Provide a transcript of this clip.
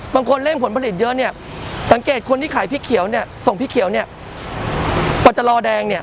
บางคนเล่นผลผลิตเยอะเนี่ยสังเกตคนที่ขายพริกเขียวเนี่ยส่งพี่เขียวเนี่ยพอจะรอแดงเนี่ย